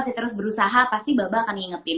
harus berusaha pasti baba akan ngingetin